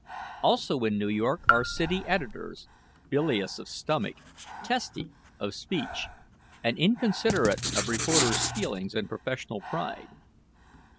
Also in New York are city editors, bilious of stomach, testy of speech, and inconsiderate of reporters' feelings and professional pride.